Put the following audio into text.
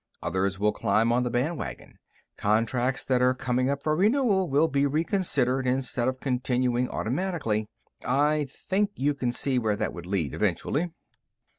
Others will climb on the bandwagon. Contracts that are coming up for renewal will be reconsidered instead of continuing automatically. I think you can see where that would lead eventually."